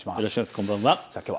こんばんは。